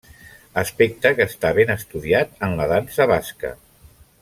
Aspecte que està ben estudiat en la dansa basca.